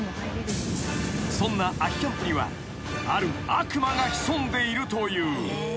［そんな秋キャンプにはある悪魔が潜んでいるという］